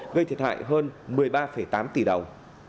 gây thiệt hại hơn một mươi ba tám tỷ đồng